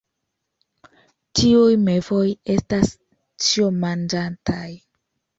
Tiuj mevoj estas ĉiomanĝantaj.